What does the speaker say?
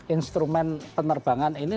instrumen penerbangan ini